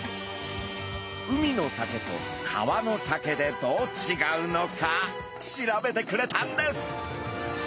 海のサケと川のサケでどうちがうのか調べてくれたんです。